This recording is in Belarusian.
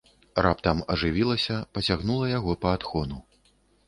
Раптам ажывілася, пацягнула яго па адхону.